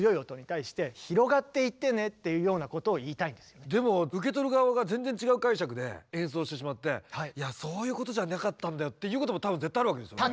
この「ターン」っていうでも受け取る側が全然違う解釈で演奏してしまって「いやそういうことじゃなかったんだよ」っていうことも多分絶対あるわけですよね。